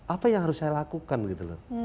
apa yang harus saya lakukan gitu loh